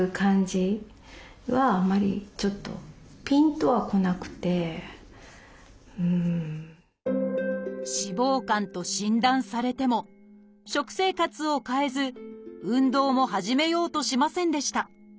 ところが武井さんは脂肪肝と診断されても食生活を変えず運動も始めようとしませんでした。